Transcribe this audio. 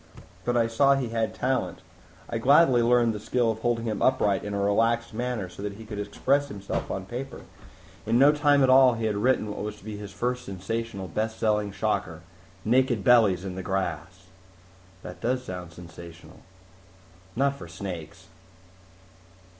But I saw he had talent. I gladly learned the skill of holding him upright in a relaxed manner so that he could express himself on paper. In no time at all, he had written what was to be his first, sensational, best selling shocker, Naked Bellies in the Grass." "That does sound sensational." "Not for snakes.